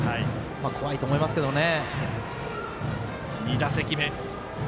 怖いと思いますけどね。